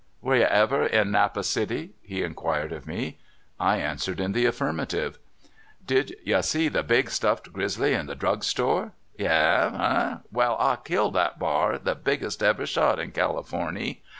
" Was you ever in Napa City?" he inquired of me. I answered in the affirmative. "Did you see the big stuffed grizzly in the drug store? You have, eh? Well,* I killed that bar, the biggest ever shot in Californy.